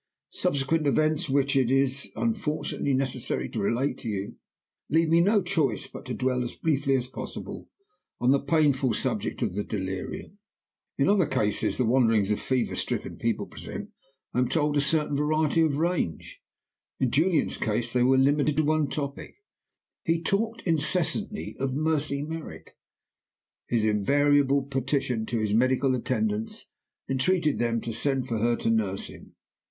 Subsequent events, which it is, unfortunately, necessary to relate to you, leave me no choice but to dwell (as briefly as possible) on the painful subject of the delirium. In other cases the wanderings of fever stricken people present, I am told, a certain variety of range. In Julian's case they were limited to one topic. He talked incessantly of Mercy Merrick. His invariable petition to his medical attendants entreated them to send for her to nurse him.